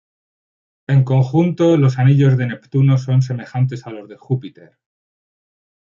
En conjunto, los anillos de Neptuno son semejantes a los de Júpiter.